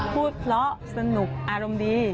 พูดล้อสนุกอารมณ์ดี